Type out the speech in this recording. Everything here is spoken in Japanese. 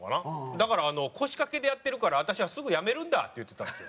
だから「腰掛けでやってるから私はすぐ辞めるんだ」って言ってたんですよ。